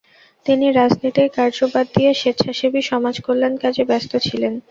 তিনি রাজনীতির কার্য বাদ দিয়ে স্বেচ্ছাসেবী সমাজ কল্যাণ কাজে ব্যস্ত ছিলেন।